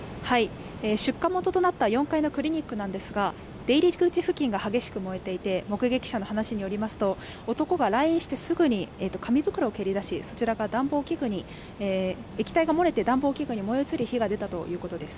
出火元となった４階のクリニックなんですが、出入り口付近が激しく燃えていて、目撃者の話によりますと男が来院してすぐに紙袋を蹴りだし、液体が漏れて暖房器具に燃え移って火が出たということです。